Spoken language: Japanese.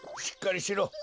しっかりしろ。